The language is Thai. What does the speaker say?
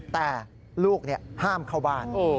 แต่ลูกเนี่ยห้ามเข้าบ้าน